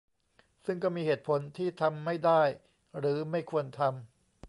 ซึ่งก็มีเหตุผลที่ทำไม่ได้หรือไม่ควรทำ